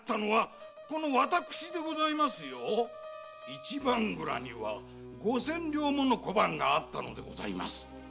一番蔵には五千両もの小判があったのでございます。